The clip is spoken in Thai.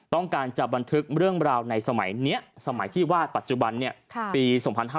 ต้องการจะบันทึกเรื่องราวในสมัยนี้สมัยที่วาดปัจจุบันปี๒๕๕๙